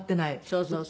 そうそうそう。